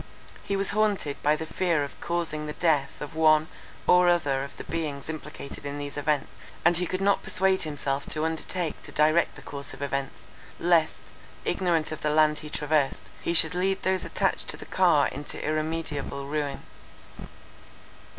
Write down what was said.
He was haunted by the fear of causing the death of one or other of the beings implicated in these events; and he could not persuade himself to undertake to direct the course of events, lest, ignorant of the land he traversed, he should lead those attached to the car into irremediable ruin.